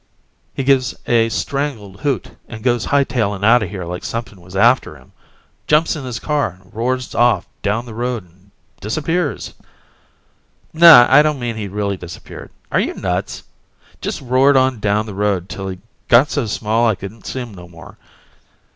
He gives a strangled hoot and goes hightailin' outta here like somepin' was after him. Jumps in his car and roars off down the road and disappears. Naw, I don't mean he really disappeared are you nuts? Just roared on down the road till he got so small I couldn't see him no more.